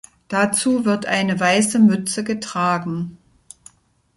Dazu wird eine weiße Mütze getragen.